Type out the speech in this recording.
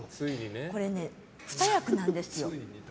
これね、２役なんですよ。